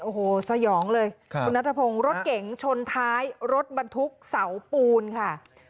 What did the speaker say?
โอ้โหสยองเลยคุณนัทพงศ์รถเก๋งชนท้ายรถบรรทุกเสาปูนค่ะ